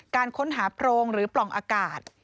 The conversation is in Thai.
การค้นหาโพรงหรือปล่องอากาศ